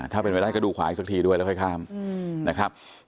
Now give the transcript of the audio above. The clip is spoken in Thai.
ถ้าเป็นไปได้ก็ดูขวาอีกสักทีด้วยแล้วค่อยข้ามนะครับ